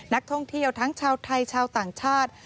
นักท่องเที่ยวทั้งชาวไทยชาวต่างชาติ